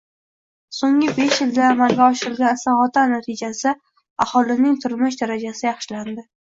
So‘nggi besh yilda amalga oshirilgan islohotlar natijasida aholining turmush darajasi yaxshilandi.